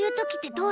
どう？